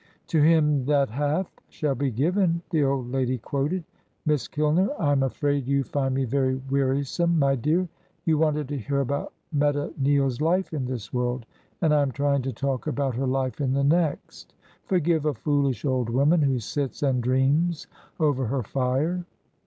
"'To him that hath, shall be given,'" the old lady quoted. "Miss Kilner, I'm afraid you find me very wearisome, my dear. You wanted to hear about Meta Neale's life in this world, and I am trying to talk about her life in the next. Forgive a foolish old woman, who sits and dreams over her fire."